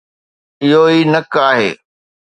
اهو ئي نڪ آهي